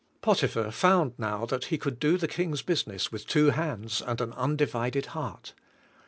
Potiphar found now that he could do the king's business with two hands and an un divided heart.